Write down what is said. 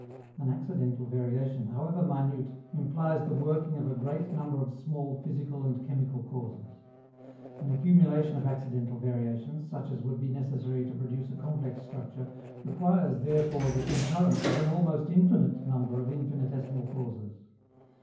An accidental variation, however minute, implies the working of a great number of small physical and chemical causes. An accumulation of accidental variations, such as would be necessary to produce a complex structure, requires therefore the concurrence of an almost infinite number of infinitesimal causes.